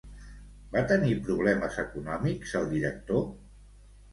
Va tenir problemes econòmics el director?